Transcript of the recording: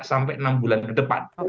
sampai enam bulan kedepan